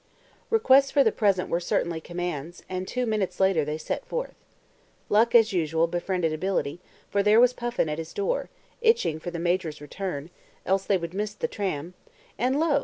Requests for the present were certainly commands, and two minutes later they set forth. Luck, as usual, befriended ability, for there was Puffin at his door, itching for the Major's return (else they would miss the tram); and lo!